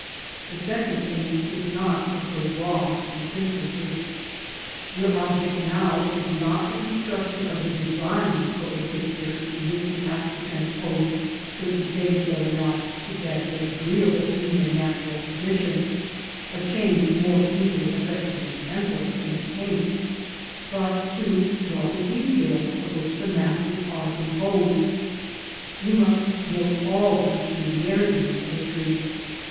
The second aim is not of so broad a synthesis. Your object now is not the construction of the design for a picture, in which you have to transpose certain things that are not exactly agreeable in their natural position, (a change more easily effected in pencil than in paint), but to draw the details of which the masses are composed. You must note all the peculiarities of a tree.